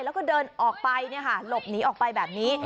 แล้วก็เดินออกไปหลบหนีออกไปแบบนี้